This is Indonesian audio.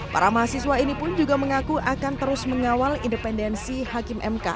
para mahasiswa ini pun juga mengaku akan terus mengawal independensi hakim mk